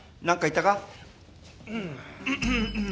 なんか言ったか？